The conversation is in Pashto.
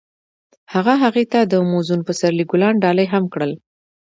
هغه هغې ته د موزون پسرلی ګلان ډالۍ هم کړل.